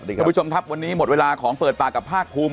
สวัสดีครับผู้ชมทัพวันนี้หมดเวลาของเปิดปากกับภาคภูมิ